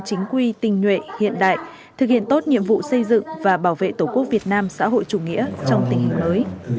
chính quy tình nguyện hiện đại thực hiện tốt nhiệm vụ xây dựng và bảo vệ tổ quốc việt nam xã hội chủ nghĩa trong tình hình mới